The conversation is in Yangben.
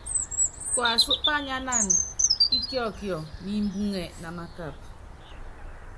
Kuasú pányánana íkiɔkiɔ ni imbuŋɛ, namakapa.